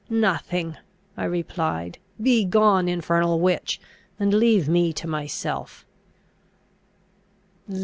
"Nothing," I replied: "begone, infernal witch! and leave me to myself."